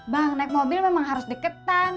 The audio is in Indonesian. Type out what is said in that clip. bang naik mobil memang harus deketan